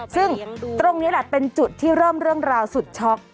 ซึ่งตรงนี้แหละเป็นจุดที่เริ่มเรื่องราวสุดช็อก